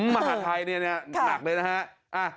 มหาไทยนี่นี่หนักเลยนะฮะ